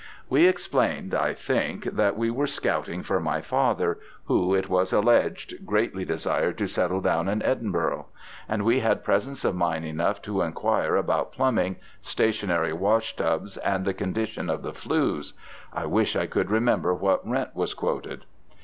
We explained, I think, that we were scouting for my father, who (it was alleged) greatly desired to settle down in Edinburgh. And we had presence of mind enough to enquire about plumbing, stationary wash tubs, and the condition of the flues. I wish I could remember what rent was quoted.